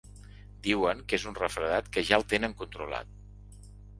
Diuen que és un refredat que ja el tenen controlat.